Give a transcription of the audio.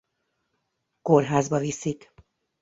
Kórházba viszik.